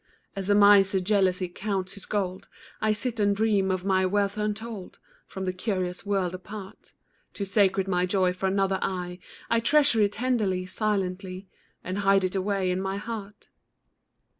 As a miser jealously counts his gold, I sit and dream of my wealth untold, From the curious world apart; Too sacred my joy for another eye, I treasure it tenderly, silently, And hide it away in my heart.